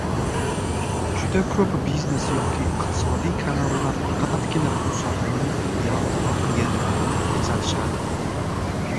Juda koʻp biznes yoki iqtisodiy kanallar faqatgina bu sohaning yaltiroq yerlarini koʻrsatishadi.